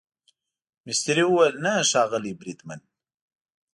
مستري وویل نه ښاغلی بریدمن.